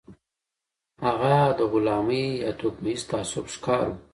هغه د غلامۍ او توکميز تعصب ښکار و.